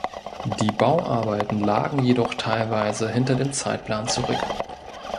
Die Bauarbeiten lagen jedoch teilweise hinter dem Zeitplan zurück.